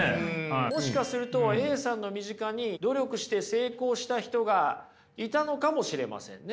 もしかするとＡさんの身近に努力して成功した人がいたのかもしれませんね。